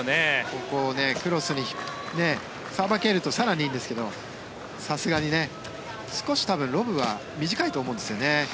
ここをクロスにさばけると更にいいんですがさすがに少しロブは短いと思うんですよね。